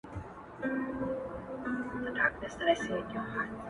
ه چیري یې د کومو غرونو باد دي وهي.